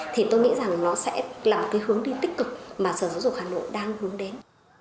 thì tôi nghĩ rằng nó sẽ là một cái hướng đi tích cực mà sở giáo dục hà nội đang hướng đến